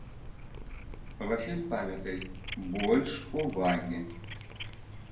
Васіль, памятай, больш увагі.